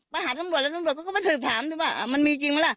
ไปหาตำรวจแล้วตำรวจเขาก็ไปถืบถามดูว่ามันมีจริงมั้ยล่ะ